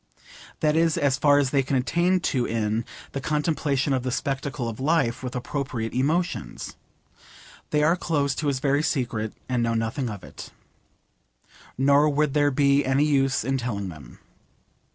That is as far as they can attain to in 'the contemplation of the spectacle of life with appropriate emotions.' They are close to his very secret and know nothing of it. Nor would there be any use in telling them.